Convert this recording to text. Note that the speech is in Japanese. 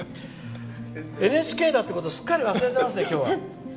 ＮＨＫだってことすっかり忘れてますね、今日。